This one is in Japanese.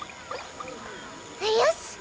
よし！